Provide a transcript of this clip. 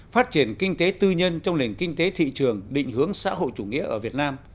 phát triển kinh tế tư nhân trong nền kinh tế thị trường định hướng xã hội chủ nghĩa ở việt nam